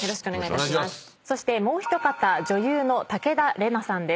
そしてもう一方女優の武田玲奈さんです。